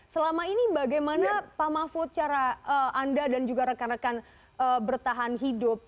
selama ini bagaimana pak mahfud cara anda dan juga rekan rekan bertahan hidup